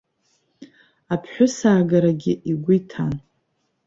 Аԥҳәысаагарагьы игәы иҭан.